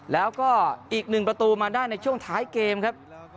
แล้วก็อีกหนึ่งประตูมาได้ในช่วงท้ายเกมครับ